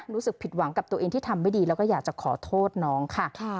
รู้สึกผิดหวังกับตัวเองที่ทำไม่ดีแล้วก็อยากจะขอโทษน้องค่ะ